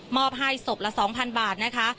อบให้ศพละ๒๐๐๐บาทนะคะ